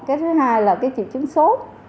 cái thứ hai là cái triệu chứng sốt